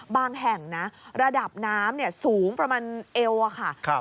แห่งนะระดับน้ำสูงประมาณเอวอะค่ะ